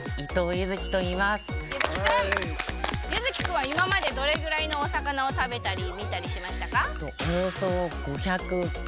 柚貴君は今までどれぐらいのお魚を食べたり見たりしましたか？